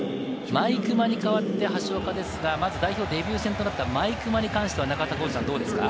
毎熊に代わって橋岡ですが、代表デビュー戦となった毎熊に関しては中田さん、どうですか？